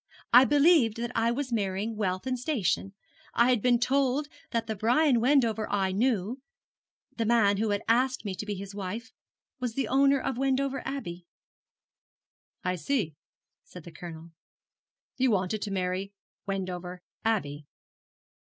'I believed that I was marrying wealth and station. I had been told that the Brian Wendover I knew the man who asked me to be his wife was the owner of Wendover Abbey.' 'I see,' said the Colonel; 'you wanted to marry Wendover Abbey.'